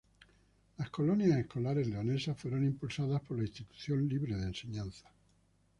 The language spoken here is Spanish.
Las Colonias Escolares Leonesas fueron impulsadas por la Institución Libre de Enseñanza.